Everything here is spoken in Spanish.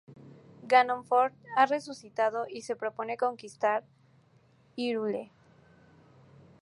Ganondorf, ha resucitado y se propone conquistar Hyrule.